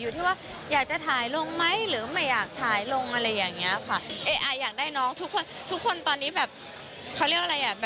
อยู่ที่ว่าอยากจะถ่ายลงไหมหรือไม่อยากถ่ายลงอะไรอย่างนี้ค่ะ